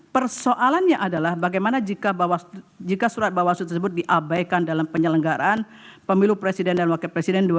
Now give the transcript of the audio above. persoalannya adalah bagaimana jika surat bawasut tersebut diabaikan dalam penyelenggaraan pemilu presiden dan wakil presiden dua ribu sembilan belas